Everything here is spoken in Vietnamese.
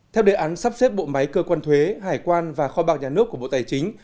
theo đề án sắp xếp bộ máy cơ quan thuế hải quan và kho bạc nhà nước của bộ tài chính